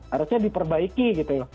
harusnya diperbaiki gitu